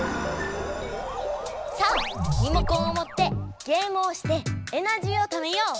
さあリモコンをもってゲームをしてエナジーをためよう！